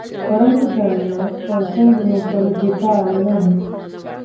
परंतु त्यांना कॉन्स्टेन्टिनोपल घेता आले नाही.